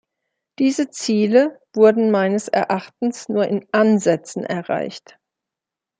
Diese Ziele wurden meines Erachtens nur in Ansätzen erreicht.